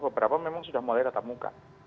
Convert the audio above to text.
beberapa memang sudah mulai tetap muka